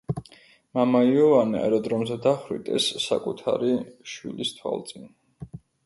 მამა იოანე აეროდრომზე დახვრიტეს საკუთარი შვილის თვალწინ.